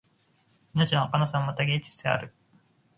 命のはかなさもまた芸術である